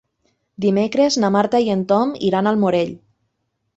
Dimecres na Marta i en Tom iran al Morell.